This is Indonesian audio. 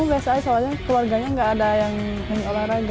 bisa soalnya keluarganya enggak ada yang ini olahraga